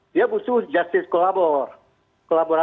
dia butuh fandom kesempatan kebanggaan